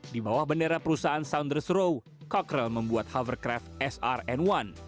di bawah bendera perusahaan sounders row cockrel membuat hovercraft srn satu